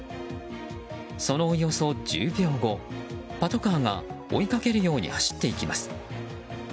そのおよそ１０秒後パトカーが追いかけるように走っていきます。